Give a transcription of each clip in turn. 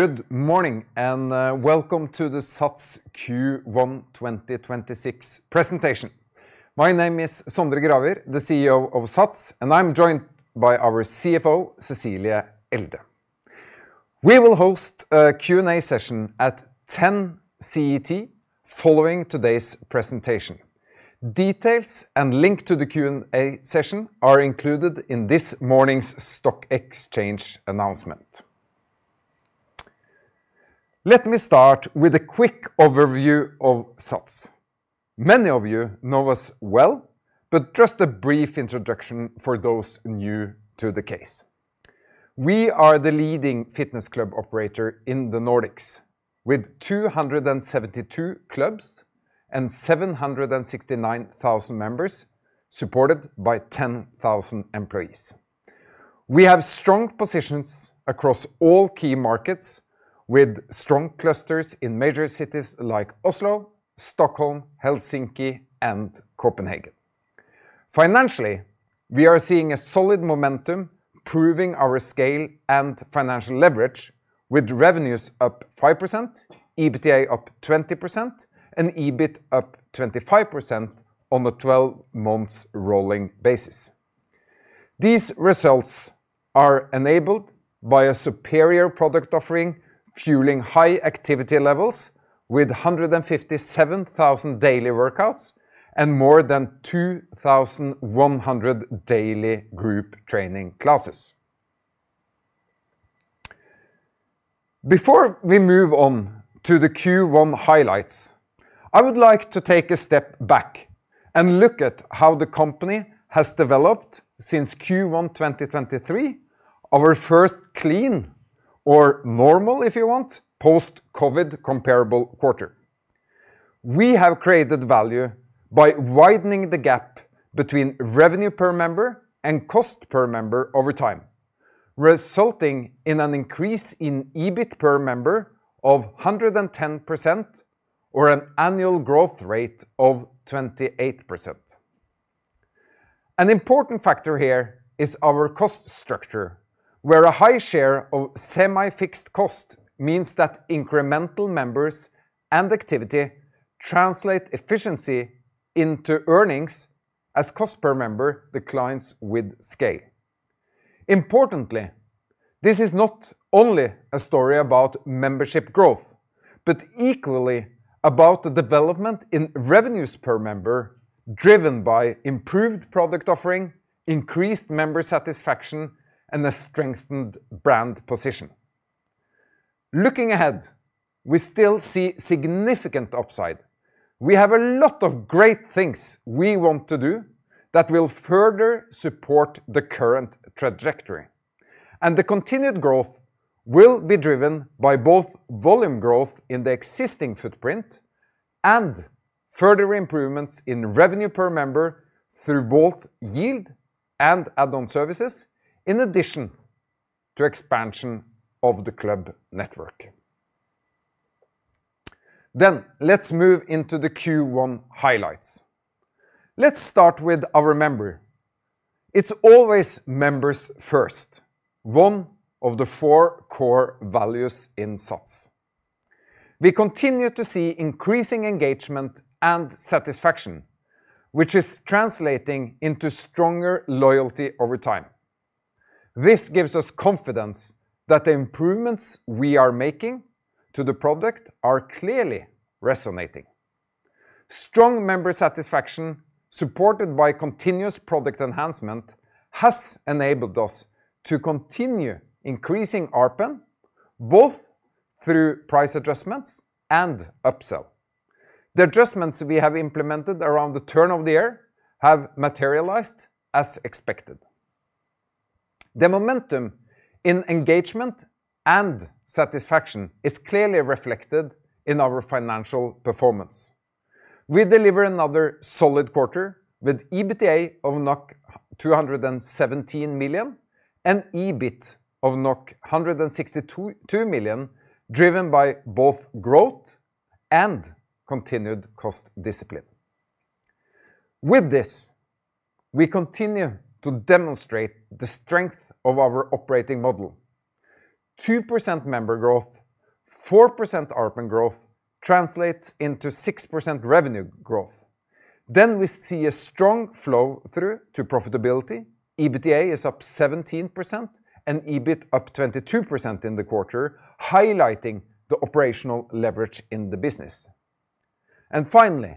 Good morning, welcome to the SATS Q1 2026 Presentation. My name is Sondre Gravir, the CEO of SATS, and I'm joined by our CFO, Cecilie Elde. We will host a Q&A session at 10:00 CET following today's presentation. Details and link to the Q&A session are included in this morning's stock exchange announcement. Let me start with a quick overview of SATS. Many of you know us well, just a brief introduction for those new to the case. We are the leading fitness club operator in the Nordics with 272 clubs and 769,000 members, supported by 10,000 employees. We have strong positions across all key markets with strong clusters in major cities like Oslo, Stockholm, Helsinki, and Copenhagen. Financially, we are seeing a solid momentum, proving our scale and financial leverage, with revenues up 5%, EBITDA up 20%, and EBIT up 25% on the 12 months rolling basis. These results are enabled by a superior product offering, fueling high activity levels with 157,000 daily workouts and more than 2,100 daily group training classes. Before we move on to the Q1 highlights, I would like to take a step back and look at how the company has developed since Q1 2023, our first clean or normal, if you want, post-COVID comparable quarter. We have created value by widening the gap between revenue per member and cost per member over time, resulting in an increase in EBIT per member of 110% or an annual growth rate of 28%. An important factor here is our cost structure, where a high share of semi-fixed cost means that incremental members and activity translate efficiency into earnings as cost per member declines with scale. Importantly, this is not only a story about membership growth, but equally about the development in revenues per member driven by improved product offering, increased member satisfaction, and a strengthened brand position. Looking ahead, we still see significant upside. We have a lot of great things we want to do that will further support the current trajectory. The continued growth will be driven by both volume growth in the existing footprint and further improvements in revenue per member through both yield and add-on services in addition to expansion of the club network. Let's move into the Q1 highlights. Let's start with our member. It's always members first, one of the four core values in SATS. We continue to see increasing engagement and satisfaction, which is translating into stronger loyalty over time. This gives us confidence that the improvements we are making to the product are clearly resonating. Strong member satisfaction, supported by continuous product enhancement, has enabled us to continue increasing ARPM, both through price adjustments and upsell. The adjustments we have implemented around the turn of the year have materialized as expected. The momentum in engagement and satisfaction is clearly reflected in our financial performance. We deliver another solid quarter with EBITDA of 217 million and EBIT of 162 million, driven by both growth and continued cost discipline. With this, we continue to demonstrate the strength of our operating model. 2% member growth, 4% ARPM growth translates into 6% revenue growth. We see a strong flow through to profitability. EBITDA is up 17% and EBIT up 22% in the quarter, highlighting the operational leverage in the business. Finally,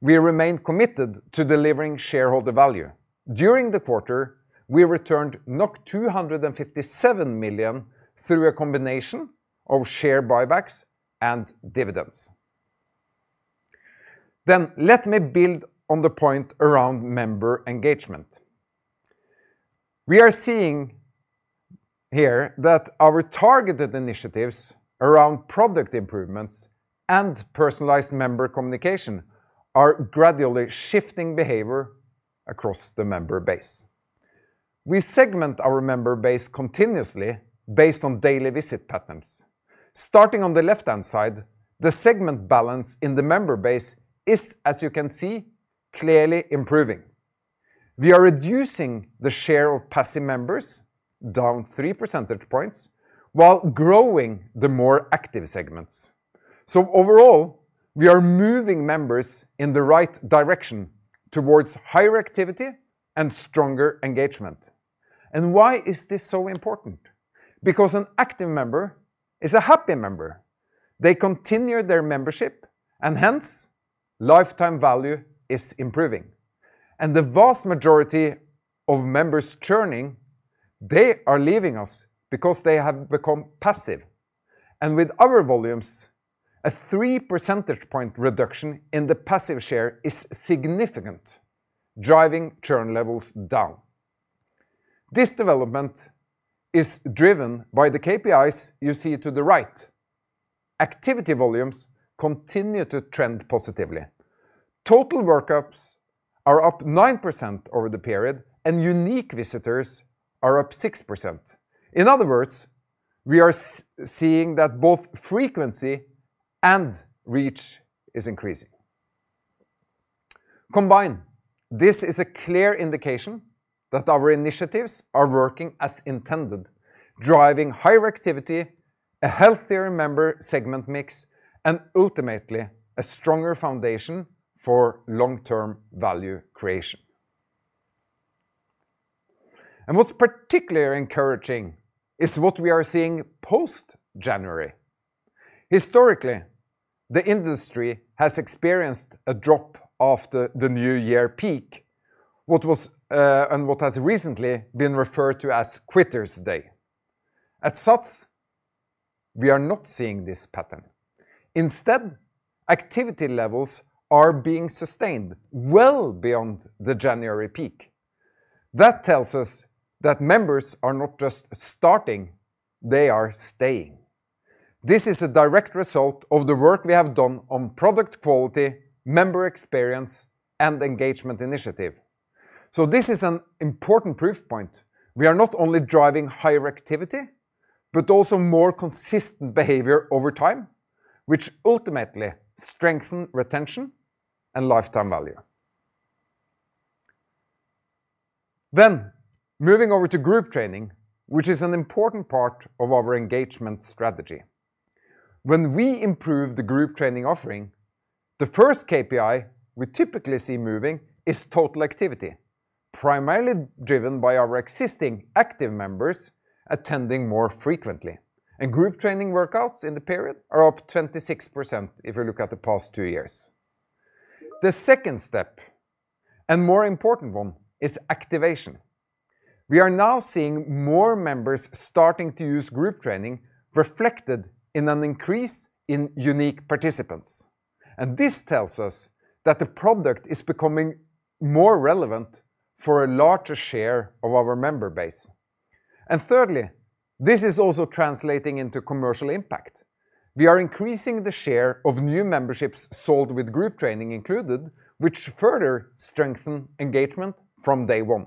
we remain committed to delivering shareholder value. During the quarter, we returned 257 million through a combination of share buybacks and dividends. Let me build on the point around member engagement. We are seeing here that our targeted initiatives around product improvements and personalized member communication are gradually shifting behavior across the member base. We segment our member base continuously based on daily visit patterns. Starting on the left-hand side, the segment balance in the member base is, as you can see, clearly improving. We are reducing the share of passive members, down 3 percentage points, while growing the more active segments. Overall, we are moving members in the right direction towards higher activity and stronger engagement. Why is this so important? Because an active member is a happy member. They continue their membership and hence lifetime value is improving. The vast majority of members churning, they are leaving us because they have become passive. With our volumes, a three percentage point reduction in the passive share is significant, driving churn levels down. This development is driven by the KPIs you see to the right. Activity volumes continue to trend positively. Total workouts are up 9% over the period, and unique visitors are up 6%. In other words, we are seeing that both frequency and reach is increasing. Combined, this is a clear indication that our initiatives are working as intended, driving higher activity, a healthier member segment mix, and ultimately a stronger foundation for long-term value creation. What's particularly encouraging is what we are seeing post-January. Historically, the industry has experienced a drop after the new year peak, what was, and what has recently been referred to as Quitter's Day. At SATS, we are not seeing this pattern. Instead, activity levels are being sustained well beyond the January peak. That tells us that members are not just starting, they are staying. This is a direct result of the work we have done on product quality, member experience, and engagement initiative. This is an important proof point. We are not only driving higher activity, but also more consistent behavior over time, which ultimately strengthen retention and lifetime value. Moving over to group training, which is an important part of our engagement strategy. When we improve the group training offering, the first KPI we typically see moving is total activity, primarily driven by our existing active members attending more frequently. Group training workouts in the period are up 26% if you look at the past two years. The second step, and more important one, is activation. We are now seeing more members starting to use group training reflected in an increase in unique participants. This tells us that the product is becoming more relevant for a larger share of our member base. Thirdly, this is also translating into commercial impact. We are increasing the share of new memberships sold with group training included, which further strengthen engagement from day one.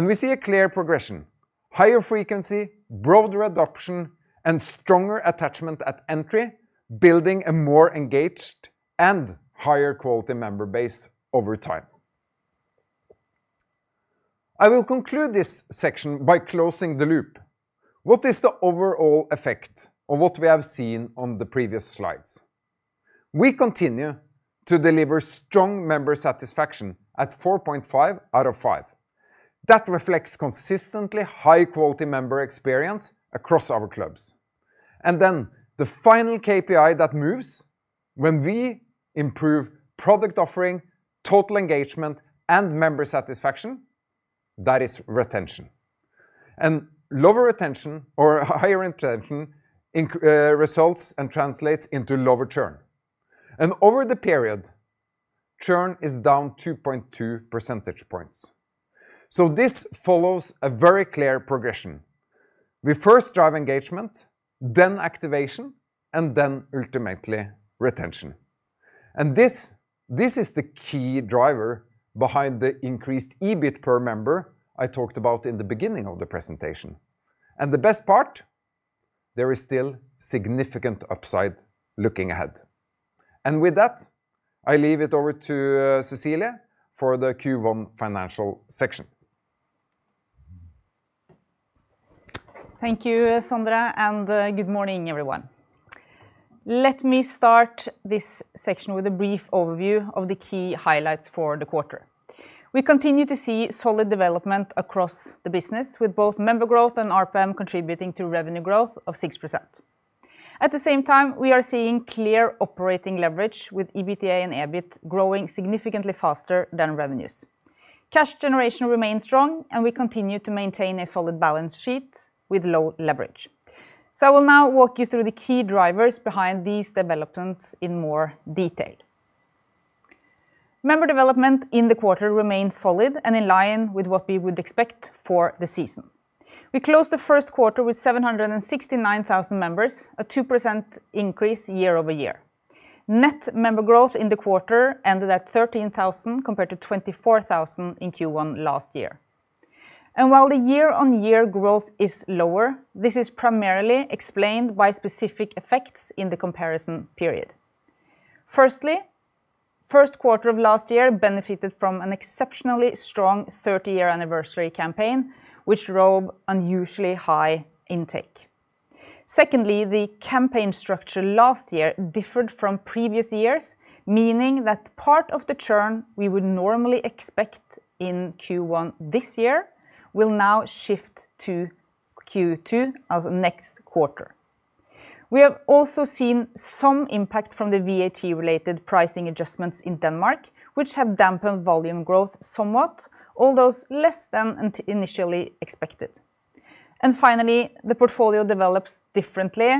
We see a clear progression, higher frequency, broader adoption, and stronger attachment at entry, building a more engaged and higher quality member base over time. I will conclude this section by closing the loop. What is the overall effect of what we have seen on the previous slides? We continue to deliver strong member satisfaction at 4.5 out of five. That reflects consistently high quality member experience across our clubs. The final KPI that moves when we improve product offering, total engagement, and member satisfaction, that is retention. Lower retention or higher retention results and translates into lower churn. Over the period, churn is down 2.2 percentage points. This follows a very clear progression. We first drive engagement, then activation, and then ultimately retention. This is the key driver behind the increased EBIT per member I talked about in the beginning of the presentation. The best part, there is still significant upside looking ahead. I leave it over to Cecilie for the Q1 financial section. Thank you, Sondre, and good morning, everyone. Let me start this section with a brief overview of the key highlights for the quarter. We continue to see solid development across the business with both member growth and ARPM contributing to revenue growth of 6%. At the same time, we are seeing clear operating leverage with EBITDA and EBIT growing significantly faster than revenues. Cash generation remains strong, and we continue to maintain a solid balance sheet with low leverage. I will now walk you through the key drivers behind these developments in more detail. Member development in the quarter remains solid and in line with what we would expect for the season. We closed the first quarter with 769,000 members, a 2% increase year-over-year. Net member growth in the quarter ended at 13,000 compared to 24,000 in Q1 last year. While the year-on-year growth is lower, this is primarily explained by specific effects in the comparison period. Firstly, Q1 of last year benefited from an exceptionally strong 30-year anniversary campaign, which drove unusually high intake. Secondly, the campaign structure last year differed from previous years, meaning that part of the churn we would normally expect in Q1 this year will now shift to Q2, as next quarter. We have also seen some impact from the VAT-related pricing adjustments in Denmark, which have dampened volume growth somewhat, although less than initially expected. Finally, the portfolio develops differently,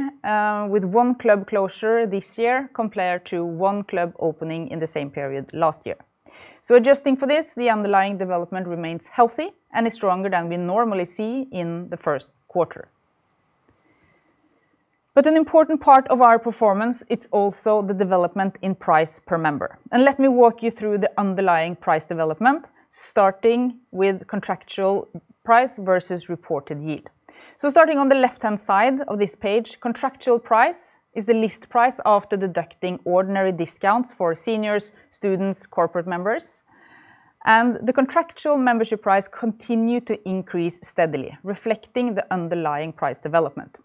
with one club closure this year compared to one club opening in the same period last year. Adjusting for this, the underlying development remains healthy and is stronger than we normally see in the first quarter. An important part of our performance, it's also the development in price per member. Let me walk you through the underlying price development, starting with contractual price versus reported yield. Starting on the left-hand side of this page, contractual price is the list price after deducting ordinary discounts for seniors, students, corporate members. The contractual membership price continued to increase steadily, reflecting the underlying price development.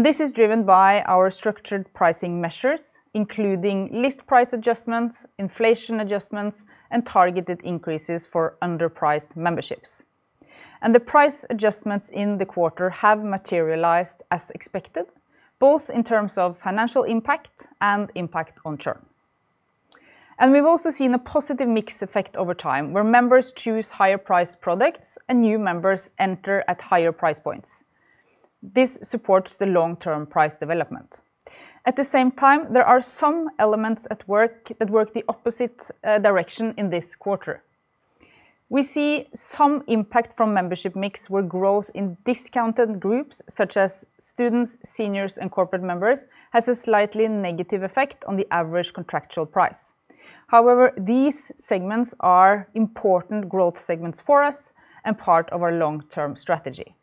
This is driven by our structured pricing measures, including list price adjustments, inflation adjustments, and targeted increases for underpriced memberships. The price adjustments in the quarter have materialized as expected, both in terms of financial impact and impact on churn. We've also seen a positive mix effect over time, where members choose higher priced products and new members enter at higher price points. This supports the long-term price development. At the same time, there are some elements at work that work the opposite direction in this quarter. We see some impact from membership mix, where growth in discounted groups such as students, seniors, and corporate members, has a slightly negative effect on the average contractual price. However, these segments are important growth segments for us and part of our long-term strategy.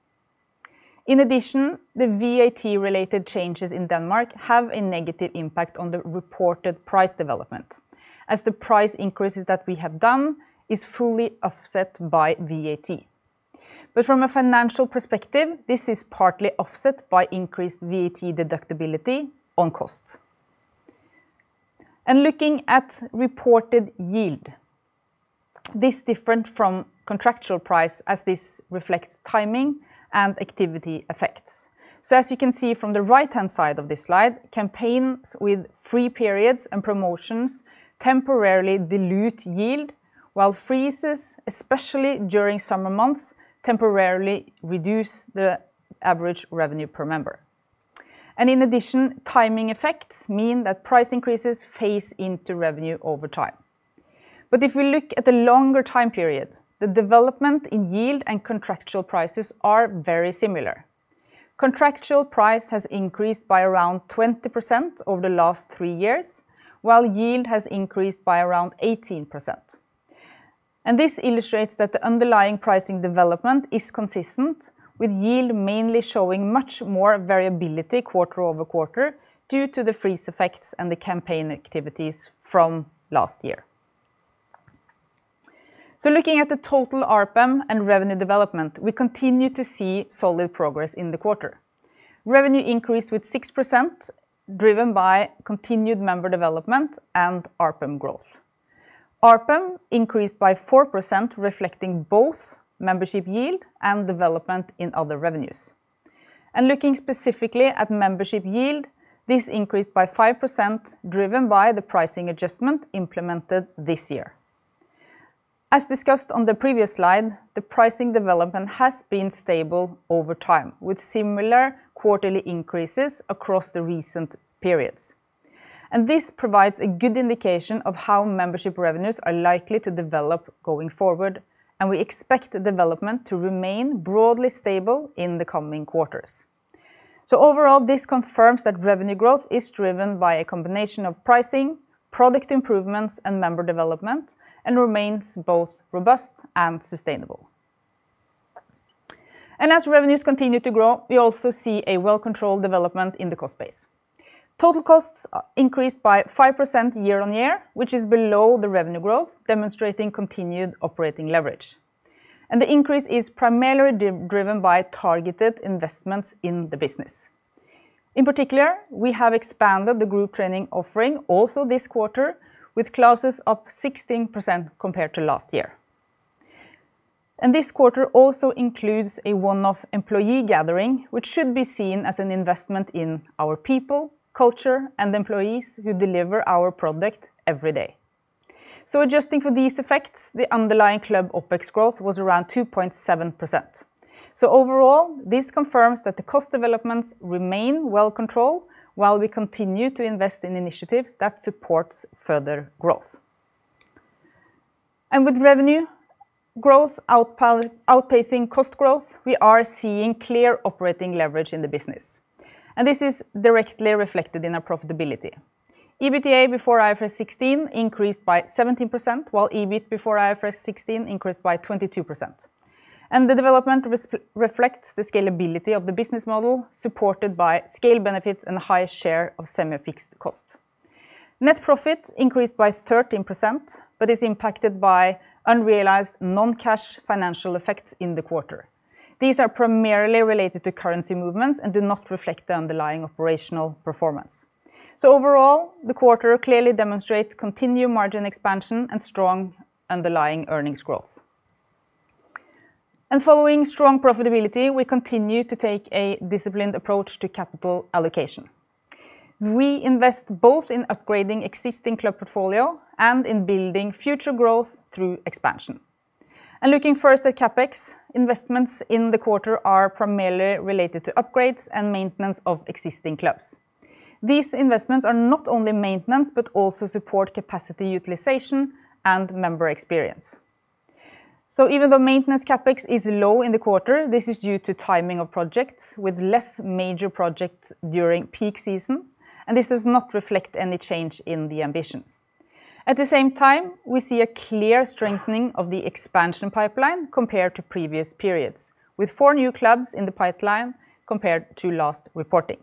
In addition, the VAT-related changes in Denmark have a negative impact on the reported price development, as the price increases that we have done is fully offset by VAT. From a financial perspective, this is partly offset by increased VAT deductibility on cost. Looking at reported yield, this different from contractual price as this reflects timing and activity effects. As you can see from the right-hand side of this slide, campaigns with free periods and promotions temporarily dilute yield, while freezes, especially during summer months, temporarily reduce the average revenue per member. In addition, timing effects mean that price increases phase into revenue over time. If we look at the longer time period, the development in yield and contractual prices are very similar. Contractual price has increased by around 20% over the last three years, while yield has increased by around 18%. This illustrates that the underlying pricing development is consistent, with yield mainly showing much more variability quarter-over-quarter due to the freeze effects and the campaign activities from last year. Looking at the total ARPM and revenue development, we continue to see solid progress in the quarter. Revenue increased with 6%, driven by continued member development and ARPM growth. ARPM increased by 4%, reflecting both membership yield and development in other revenues. Looking specifically at membership yield, this increased by 5%, driven by the pricing adjustment implemented this year. As discussed on the previous slide, the pricing development has been stable over time, with similar quarterly increases across the recent periods. This provides a good indication of how membership revenues are likely to develop going forward, and we expect the development to remain broadly stable in the coming quarters. Overall, this confirms that revenue growth is driven by a combination of pricing, product improvements, and member development, and remains both robust and sustainable. As revenues continue to grow, we also see a well-controlled development in the cost base. Total costs increased by 5% year-on-year, which is below the revenue growth, demonstrating continued operating leverage. The increase is primarily driven by targeted investments in the business. In particular, we have expanded the group training offering also this quarter, with clauses up 16% compared to last year. This quarter also includes a one-off employee gathering, which should be seen as an investment in our people, culture, and employees who deliver our product every day. Adjusting for these effects, the underlying club OpEx growth was around 2.7%. Overall, this confirms that the cost developments remain well controlled while we continue to invest in initiatives that supports further growth. With revenue growth outpacing cost growth, we are seeing clear operating leverage in the business. This is directly reflected in our profitability. EBITDA before IFRS 16 increased by 17%, while EBIT before IFRS 16 increased by 22%. The development reflects the scalability of the business model, supported by scale benefits and high share of semi-fixed cost. Net profit increased by 13%, but is impacted by unrealized non-cash financial effects in the quarter. These are primarily related to currency movements and do not reflect the underlying operational performance. Overall, the quarter clearly demonstrates continued margin expansion and strong underlying earnings growth. Following strong profitability, we continue to take a disciplined approach to capital allocation. We invest both in upgrading existing club portfolio and in building future growth through expansion. Looking first at CapEx, investments in the quarter are primarily related to upgrades and maintenance of existing clubs. These investments are not only maintenance, but also support capacity utilization and member experience. Even though maintenance CapEx is low in the quarter, this is due to timing of projects, with less major projects during peak season, and this does not reflect any change in the ambition. At the same time, we see a clear strengthening of the expansion pipeline compared to previous periods, with four new clubs in the pipeline compared to last reporting.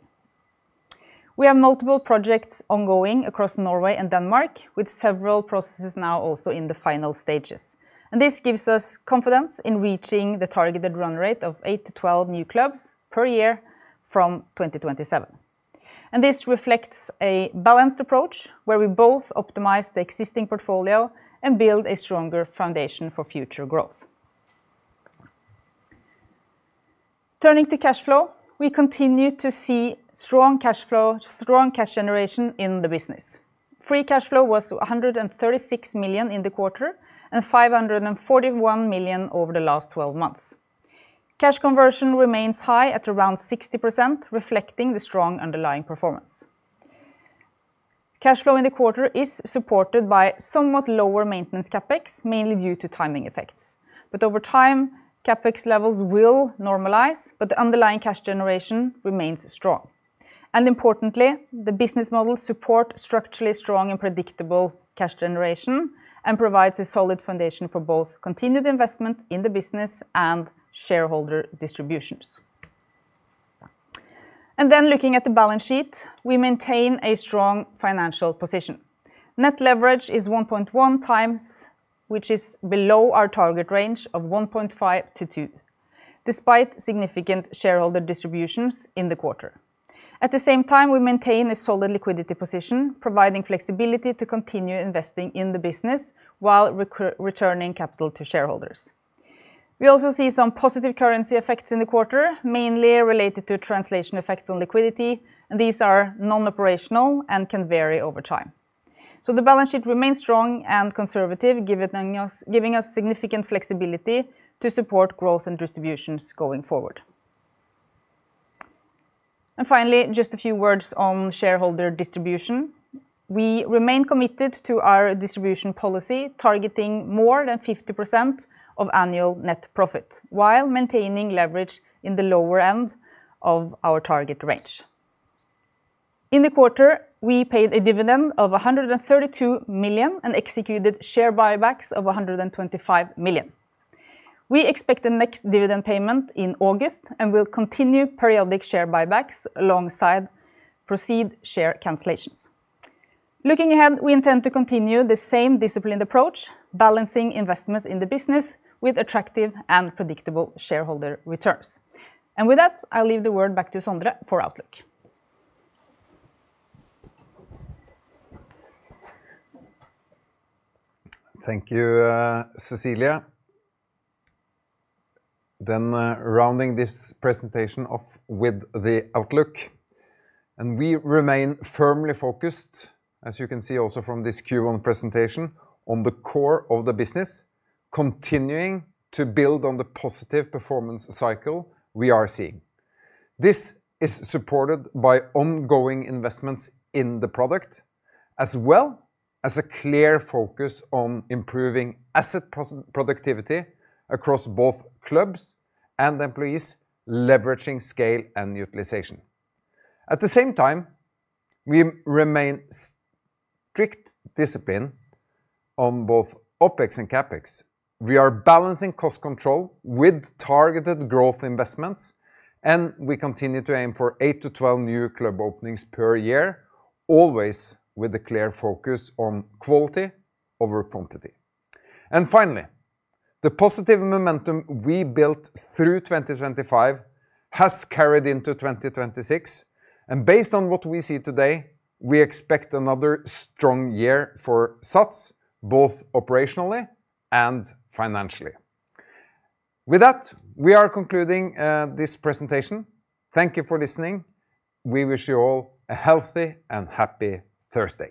We have multiple projects ongoing across Norway and Denmark, with several processes now also in the final stages, and this gives us confidence in reaching the targeted run rate of eight-12 new clubs per year from 2027. This reflects a balanced approach, where we both optimize the existing portfolio and build a stronger foundation for future growth. Turning to cash flow, we continue to see strong cash flow, strong cash generation in the business. Free cash flow was 136 million in the quarter, and 541 million over the last 12 months. Cash conversion remains high at around 60%, reflecting the strong underlying performance. Cash flow in the quarter is supported by somewhat lower maintenance CapEx, mainly due to timing effects. Over time, CapEx levels will normalize, but the underlying cash generation remains strong. Importantly, the business model support structurally strong and predictable cash generation and provides a solid foundation for both continued investment in the business and shareholder distributions. Then looking at the balance sheet, we maintain a strong financial position. Net leverage is 1.1x, which is below our target range of 1.5x-2x, despite significant shareholder distributions in the quarter. At the same time, we maintain a solid liquidity position, providing flexibility to continue investing in the business while returning capital to shareholders. We also see some positive currency effects in the quarter, mainly related to translation effects on liquidity. These are non-operational and can vary over time. The balance sheet remains strong and conservative, giving us significant flexibility to support growth and distributions going forward. Finally, just a few words on shareholder distribution. We remain committed to our distribution policy, targeting more than 50% of annual net profit while maintaining leverage in the lower end of our target range. In the quarter, we paid a dividend of 132 million and executed share buybacks of 125 million. We expect the next dividend payment in August and will continue periodic share buybacks alongside proceed share cancellations. Looking ahead, we intend to continue the same disciplined approach, balancing investments in the business with attractive and predictable shareholder returns. With that, I'll leave the word back to Sondre for outlook. Thank you, Cecilie. Rounding this presentation off with the outlook, we remain firmly focused, as you can see also from this Q1 presentation, on the core of the business, continuing to build on the positive performance cycle we are seeing. This is supported by ongoing investments in the product, as well as a clear focus on improving asset productivity across both clubs and employees, leveraging scale and utilization. At the same time, we remain strict discipline on both OpEx and CapEx. We are balancing cost control with targeted growth investments, we continue to aim for eight to 12 new club openings per year, always with a clear focus on quality over quantity. Finally, the positive momentum we built through 2025 has carried into 2026, based on what we see today, we expect another strong year for SATS, both operationally and financially. With that, we are concluding this presentation. Thank you for listening. We wish you all a healthy and happy Thursday.